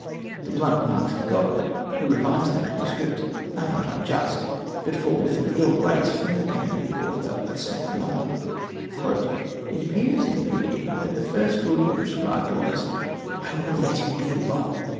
The blunt remarks of Godwin, who revised the manuscript, are not unjust, but fall with an ill grace from the pen of the author of St. Leon: "It appears in reading, that the first rule you prescribed was: 'I will let it be long.'